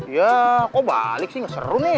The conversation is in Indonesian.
yaa kok balik sih gak seru nih